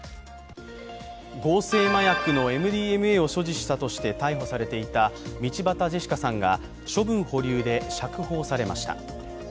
合成麻薬のＭＤＭＡの所持したとして逮捕されていた道端ジェシカさんが処分保留で釈放されました。